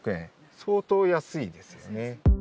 相当安いですよね。